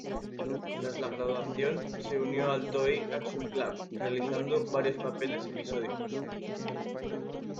Tras la graduación, se unió al Toei Action Club, realizando varios papeles episódicos.